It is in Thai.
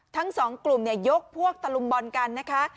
ทั้งสองกลุ่มยกพวกตะลุมบอลกันนะคะ